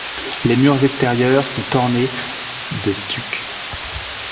Les murs extérieurs sont ornés de stuc.